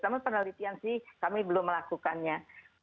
namun penelitian sih kami belum melakukannya